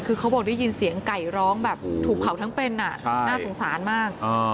คือเขาบอกได้ยินเสียงไก่ร้องแบบถูกเผาทั้งเป็นน่าสงสารมาก